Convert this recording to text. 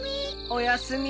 おやすみ。